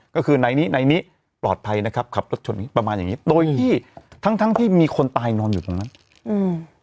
ก็คือในนี้ในนี้ปลอดภัยนะครับขับรถชนนี้ประมาณอย่างงี้โดยที่ทั้งทั้งที่มีคนตายนอนอยู่ตรงนั้นอืม